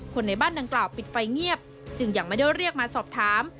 ในบ้านดังกล่าวปิดไฟเงียบจึงยังไม่ได้เรียกมาสอบถาม